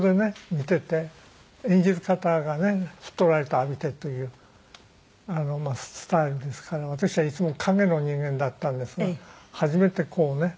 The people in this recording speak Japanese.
見てて演じる方がねフットライト浴びてというスタイルですから私はいつも陰の人間だったんですが初めてこうね。